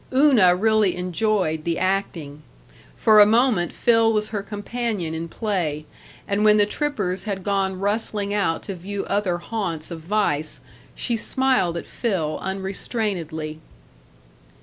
Una really enjoyed the acting; for a moment Phil was her companion in play; and when the trippers had gone rustling out to view other haunts of vice she smiled at Phil unrestrainedly.